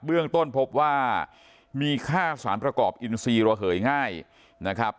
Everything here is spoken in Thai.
เรื่องต้นพบว่ามีค่าสารประกอบอินซีระเหยง่ายนะครับ